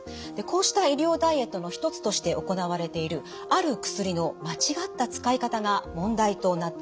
こうした医療ダイエットの一つとして行われているある薬の間違った使い方が問題となっています。